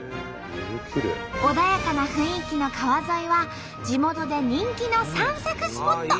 穏やかな雰囲気の川沿いは地元で人気の散策スポット。